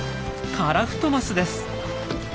カラフトマスです。